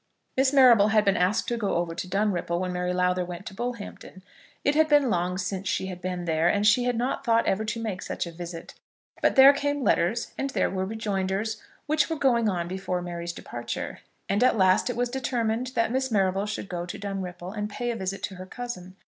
Miss Marrable had been asked to go over to Dunripple, when Mary Lowther went to Bullhampton. It had been long since she had been there, and she had not thought ever to make such a visit. But there came letters, and there were rejoinders, which were going on before Mary's departure, and at last it was determined that Miss Marrable should go to Dunripple, and pay a visit to her cousin.